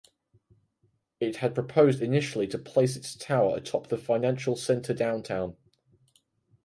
It had proposed initially to place its tower atop the Financial Center downtown.